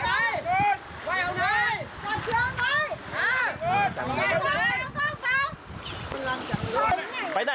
อย่าพึ่งลงนะคนนั้น